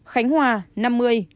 khánh hòa năm mươi